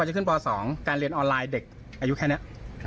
จะขึ้นป๒การเรียนออนไลน์เด็กอายุแค่นี้